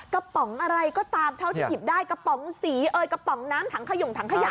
ป๋องอะไรก็ตามเท่าที่หยิบได้กระป๋องสีเอ่ยกระป๋องน้ำถังขยงถังขยะ